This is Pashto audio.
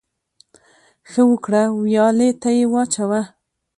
ـ ښه وکړه ، ويالې ته يې واچوه.